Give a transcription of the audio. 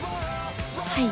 はい。